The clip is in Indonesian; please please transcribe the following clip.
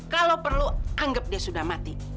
kalau perlu anggap dia sudah mati